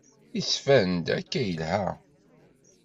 Yettban-d akka yelha.